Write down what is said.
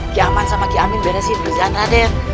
ki aman sama ki amin beresin pekerjaan raden